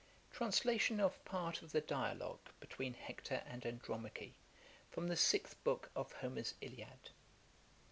Translation of part of the Dialogue between HECTOR and ANDROMACHE; from the Sixth Book of HOMER'S ILIAD.